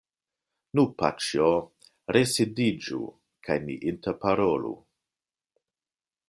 Nu, paĉjo, residiĝu, kaj ni interparolu.